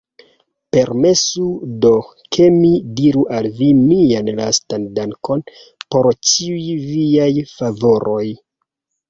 Permesu do, ke mi diru al vi mian lastan dankon por ĉiuj viaj favoroj!